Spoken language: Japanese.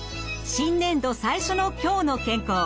新年度最初の「きょうの健康」。